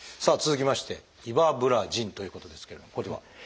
さあ続きまして「イバブラジン」ということですけれどもこれは？